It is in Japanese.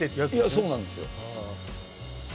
そうなんですよ。